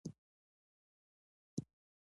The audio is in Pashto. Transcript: کلي د افغانستان د اجتماعي جوړښت برخه ده.